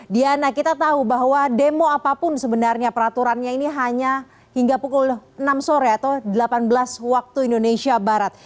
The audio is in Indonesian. diana kita tahu bahwa demo apapun sebenarnya peraturannya ini hanya hingga pukul enam sore atau delapan belas waktu indonesia barat